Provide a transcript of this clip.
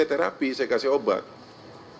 berdasarkan diagnosis yang saya ketemukan pada wakil saya